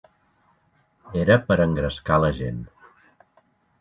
Era per engrescar la gent.